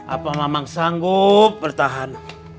apa mamang sanggup bertahan